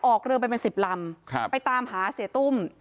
ออกเรือไปเป็น๑๐ลำไปตามหาเสียตุ้ม